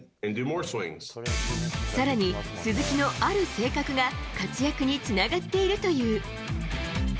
さらに、鈴木のある性格が、活躍につながっているという。